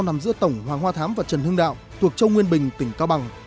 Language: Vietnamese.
nằm giữa tổng hoàng hoa thám và trần hưng đạo thuộc châu nguyên bình tỉnh cao bằng